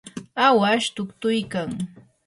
awash tuktuykan.